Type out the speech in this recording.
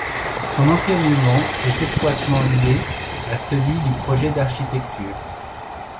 Son enseignement est étroitement lié à celui du projet d’architecture.